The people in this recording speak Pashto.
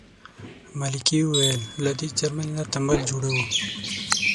ملکې وویل له دې څرمنې نه تمبل جوړوو.